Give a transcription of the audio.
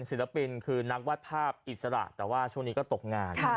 ศิลปินคือนักวาดภาพอิสระแต่ว่าช่วงนี้ก็ตกงาน